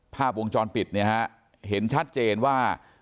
ภาพวงจรปิดเนี่ยฮะเห็นชัดเจนว่า